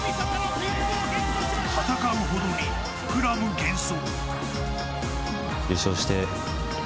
戦うほどに膨らむ幻想。